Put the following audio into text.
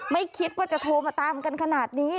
ไม่คิดว่าจะโทรมาตามกันขนาดนี้